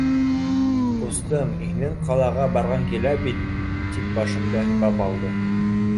Ҡустым, һинең ҡалаға барғың килә бит? — тип башымды һыйпап алды.